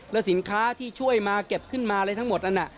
แล้วสินค้าที่ช่วยมาเก็บขึ้นมาอะไรทั้งหมดนั้น